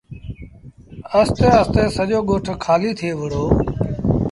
آهستي آهستي سڄو ڳوٺ کآليٚ ٿئي وُهڙو۔